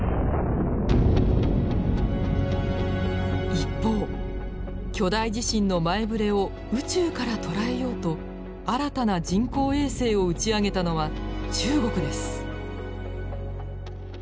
一方巨大地震の前ぶれを宇宙から捉えようと新たな人工衛星を打ち上げたのは中国です。